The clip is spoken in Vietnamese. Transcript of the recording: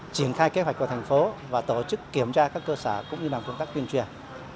triển khai kế hoạch của thành phố và tổ chức kiểm tra các cơ sở cũng như làm công tác tuyên truyền